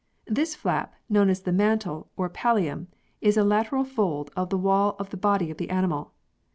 This flap, known as the mantle or pallium, is a lateral fold of the wall of the body of the animal.